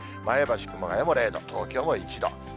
前橋、熊谷も０度、東京も１度。